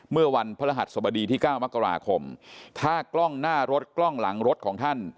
เมื่อวันพระรหัสสบดีที่๙มกราคมถ้ากล้องหน้ารถกล้องหลังรถของท่าน